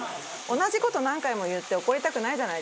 同じ事何回も言って怒りたくないじゃないですか。